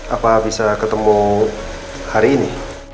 apa bisa ketemu hari ini